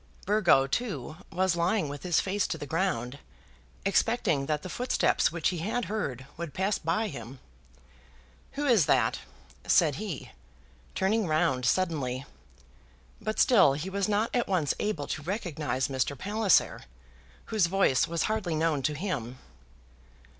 Burgo, too, was lying with his face to the ground, expecting that the footsteps which he had heard would pass by him. "Who is that?" said he, turning round suddenly; but still he was not at once able to recognize Mr. Palliser, whose voice was hardly known to him.